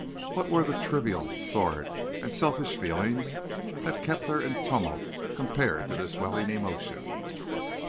What were the trivial, sordid, and selfish feelings that kept her in tumult compared to this welling emotion?